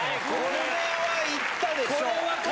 これはいったでしょ！